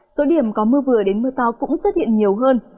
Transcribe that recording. số điểm có mưa vừa đến mưa to cũng xuất hiện nhiều hơn